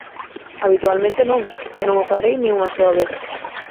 Habitualmente non, non o farei nin unha soa vez.